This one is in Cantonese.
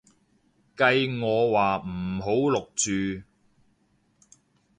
計我話唔好錄住